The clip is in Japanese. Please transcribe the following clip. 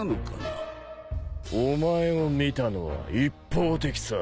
お前を見たのは一方的さ。